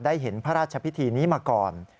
เห็นพระราชพิธีนี้มาก่อน